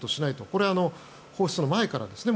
これ、放出の前からですね。